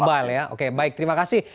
bubble ya oke baik terima kasih